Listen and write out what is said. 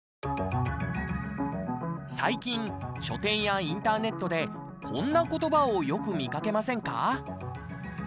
最近、書店やインターネットでこんな言葉をよく見かけませんか？